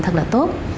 thật là tốt